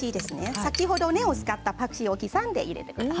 先ほど根っこを使ったパクチーの葉っぱの部分を刻んで入れてください。